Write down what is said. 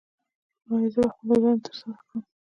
ایا زه به خپله دنده ترسره کړم؟